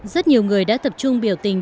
rất nhiều người đã tập trung biểu tình